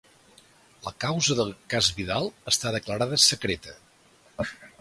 La causa del ‘cas Vidal’ està declarada secreta.